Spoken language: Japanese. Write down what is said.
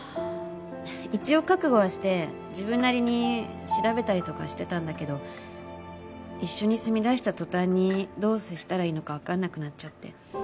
一応覚悟はして自分なりに調べたりとかしてたんだけど一緒に住みだした途端にどう接したらいいのかわかんなくなっちゃって。